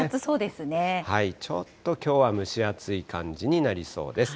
ちょっときょうは蒸し暑い感じになりそうです。